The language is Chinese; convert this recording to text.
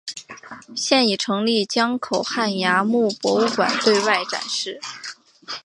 现已成立江口汉崖墓博物馆对外展示。